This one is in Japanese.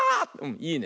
いいね。